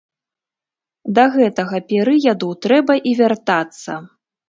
Да гэтага перыяду трэба і вяртацца.